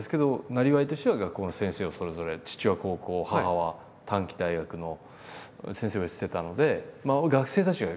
生業としては学校の先生をそれぞれ父は高校母は短期大学の先生をしてたのでそんな中で楽しく